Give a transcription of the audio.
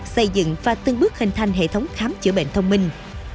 xây dựng và từng bước hình thành hệ thống khám chữa bệnh thông minh